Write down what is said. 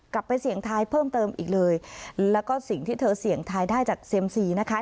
กลับไปเสี่ยงทายเพิ่มเติมอีกเลยแล้วก็สิ่งที่เธอเสี่ยงทายได้จากเซ็มซีนะคะ